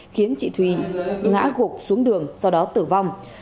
khiến chị thùy ngã gục xuống đường sau đó tử vong